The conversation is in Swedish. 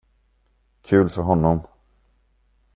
Kul för honom.